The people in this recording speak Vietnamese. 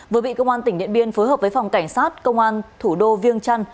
vừa bị công an tỉnh điện biên phối hợp với phòng cảnh sát công an thủ đô viêng trăn